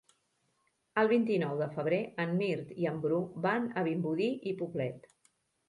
El vint-i-nou de febrer en Mirt i en Bru van a Vimbodí i Poblet.